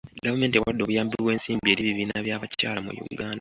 Gavumenti ewadde obuyambi bw'ensimbi eri ebibiina by'abakyala mu Uganda.